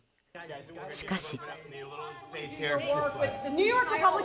しかし。